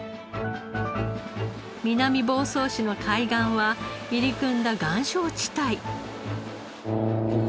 南房総市の海岸は入り組んだ岩礁地帯。